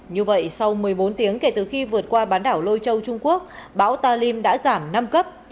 như vậy sau một mươi bốn tiếng kể từ khi vượt qua bán đảo lôi châu trung quốc bão talim đã giảm năm cấp